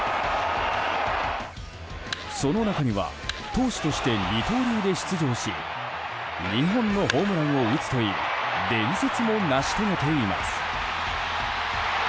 その中には、投手として二刀流で出場し２本のホームランを打つという伝説も成し遂げています。